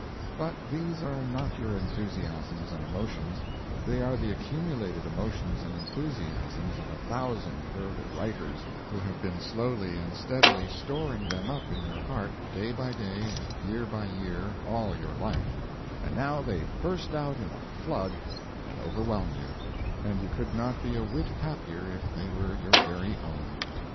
But these are not your enthusiasms and emotions they are the accumulated emotions and enthusiasms of a thousand fervid writers, who have been slowly and steadily storing them up in your heart day by day and year by year all your life; and now they burst out in a flood and overwhelm you; and you could not be a whit happier if they were your very own.